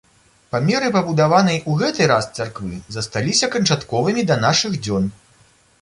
Памеры пабудаванай у гэты раз царквы засталіся канчатковымі да нашых дзён.